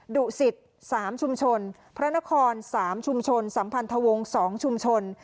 ดุสิต๓ชุมชนพระนคร๓ชุมชนสัมพันธวงศ์๒ชุมชน